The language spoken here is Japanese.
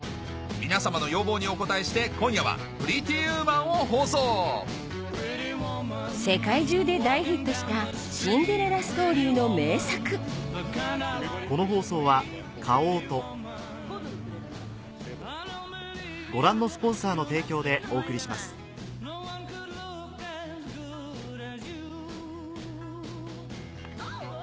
皆様の要望にお応えして今夜は『プリティ・ウーマン』を放送世界中で大ヒットしたシンデレラストーリーの名作おっといけない行き止まりだ。